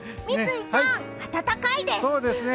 三井さん、暖かいです。